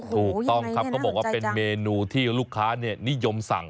ถูกต้องครับเขาบอกว่าเป็นเมนูที่ลูกค้านิยมสั่ง